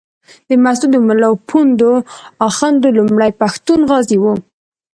د مسودو ملا پوونده اخُند لومړی پښتون غازي وو.